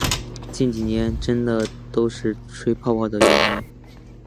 近几年真的都是吹泡泡元年